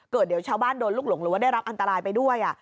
เดี๋ยวชาวบ้านโดนลูกหลงหรือว่าได้รับอันตรายไปด้วย